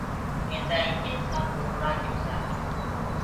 ڪيندآ هينٚ ڪي انسآن بُڙبُرآ ڪي مسآل هي۔